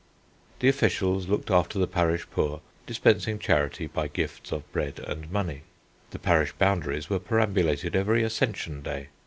"The officials looked after the parish poor, dispensing charity by gifts of bread and money. The parish boundaries were perambulated every Ascension Day.